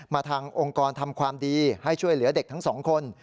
ทางองค์กรทำความดีให้ช่วยเหลือเด็กทั้งสองคน